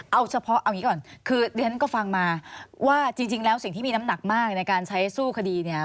เอาเฉพาะเอาอย่างนี้ก่อนคือเรียนก็ฟังมาว่าจริงแล้วสิ่งที่มีน้ำหนักมากในการใช้สู้คดีเนี่ย